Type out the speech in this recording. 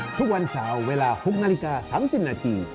ทุกวันเสาร์เวลา๖นาฬิกา๓๐นาที